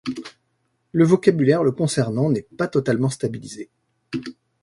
Le vocabulaire le concernant n'est pas totalement stabilisé.